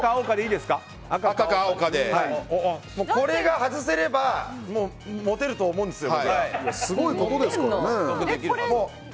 これで外せればモテると思うんですよ、僕らは。